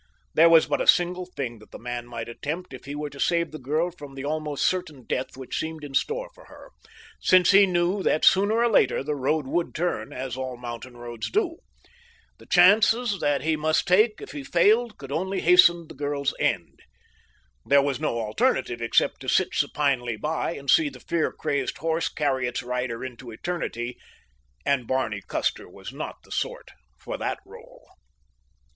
There was but a single thing that the man might attempt if he were to save the girl from the almost certain death which seemed in store for her, since he knew that sooner or later the road would turn, as all mountain roads do. The chances that he must take, if he failed, could only hasten the girl's end. There was no alternative except to sit supinely by and see the fear crazed horse carry its rider into eternity, and Barney Custer was not the sort for that role.